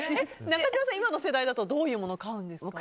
中島さん、今の世代だとどういうもの買うんですか？